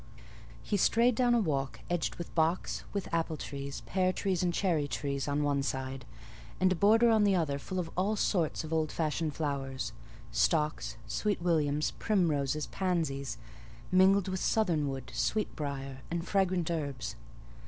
He strayed down a walk edged with box, with apple trees, pear trees, and cherry trees on one side, and a border on the other full of all sorts of old fashioned flowers, stocks, sweet williams, primroses, pansies, mingled with southernwood, sweet briar, and various fragrant herbs.